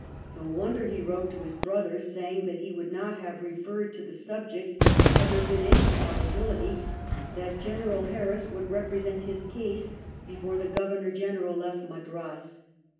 No wonder he wrote to his brqther saying that he would not have referred to the subject had there been any probability that General Harris would repre sent his case before the Governor General left Madras.